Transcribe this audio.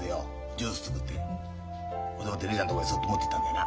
ジュース作ってほんでもって姉ちゃんのところへそっと持ってったんだよな。